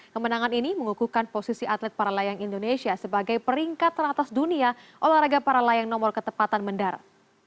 kemenangan ini mengukuhkan posisi atlet parlayang indonesia sebagai peringkat teratas dunia olahraga parlayang nomor ketepatan mendarat